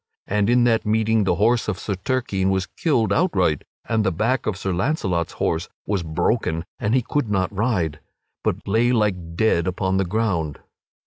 And in that meeting the horse of Sir Turquine was killed outright and the back of Sir Launcelot's horse was broken and he could not rise, but lay like dead upon the ground.